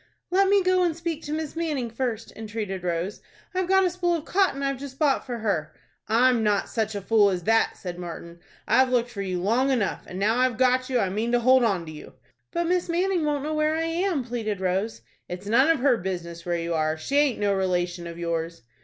"Let me go and speak to Miss Manning first," entreated Rose. "I've got a spool of cotton I've just bought for her." "I'm not such a fool as that," said Martin. "I've looked for you long enough, and now I've got you I mean to hold on to you." "But Miss Manning won't know where I am," pleaded Rose. "It's none of her business where you are. She aint no relation of yours."